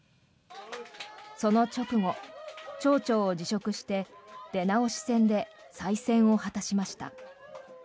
その直後、町長を辞職して出直し選で再選を果たしました。